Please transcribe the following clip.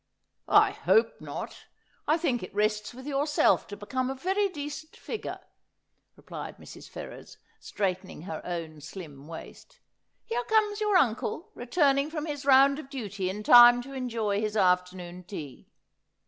'I hope not. I think it rests with yourself to become a very decent figure,' replied Mrs. Ferrers, straightening her own slim waist. ' Here comes your uncle, returning from his round of duty in time to enjoy his afternoon tea.'